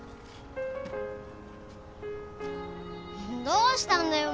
どうしたんだよ